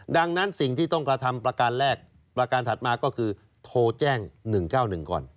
ดังนั้นสิ่งที่ต้องกระทำประการแรกประการถัดมาก็คือโทรแจ้ง๑๙๑ก่อน